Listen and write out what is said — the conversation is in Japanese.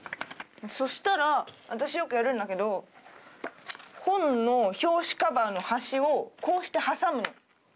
そしたら私よくやるんだけど本の表紙カバーの端をこうして挟むの。